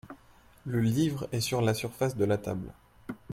Le livre est sur la surface de la table.